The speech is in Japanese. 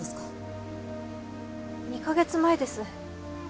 ２カ月前です。